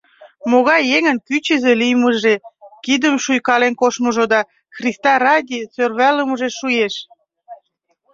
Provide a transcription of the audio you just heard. Могай еҥын кӱчызӧ лиймыже, кидым шуйкален коштмыжо да «Христа ради-и» сӧрвалымыже шуэш?